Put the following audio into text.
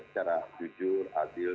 secara jujur adil